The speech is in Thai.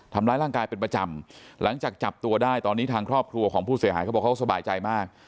ทำร้ายร่างกายเป็นประจำหลังจากจับตัวได้ตอนนี้ทางครอบครัวของผู้เสียหายเขาบอกเขาสบายใจมาก